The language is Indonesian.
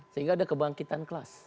sehingga ada kebangkitan kelas